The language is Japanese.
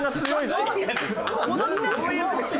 すごい。